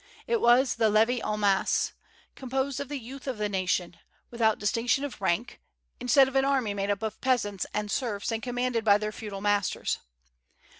It was the levee en masse, composed of the youth of the nation, without distinction of rank, instead of an army made up of peasants and serfs and commanded by their feudal masters.